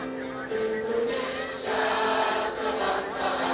bersih merakyat kerja